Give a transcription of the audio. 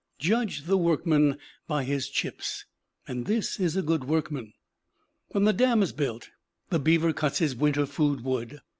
Judge the workman by his chips, and this is a good workman. When the dam is built the beaver cuts his winter food wood.